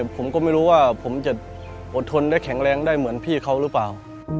ผมก็ไม่รู้ว่าผมจะอดทนและแข็งแรงได้เหมือนพี่เขาหรือเปล่า